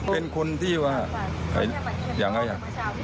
เป็นคนที่ว่าอย่างไรครับ